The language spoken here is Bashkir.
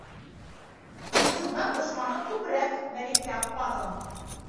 - Дуҫыңдан дошманың күберәк, Мәликә аппағым...